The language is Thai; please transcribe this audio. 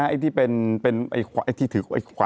ไอ้ที่ถือไอ้ขวา